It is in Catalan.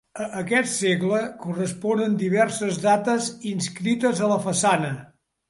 A aquest segle corresponen diverses dates inscrites a la façana.